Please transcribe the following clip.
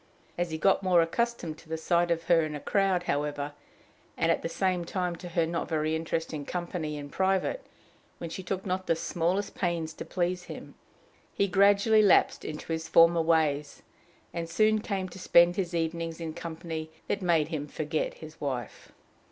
As he got more accustomed to the sight of her in a crowd, however, and at the same time to her not very interesting company in private, when she took not the smallest pains to please him, he gradually lapsed into his former ways, and soon came to spend his evenings in company that made him forget his wife.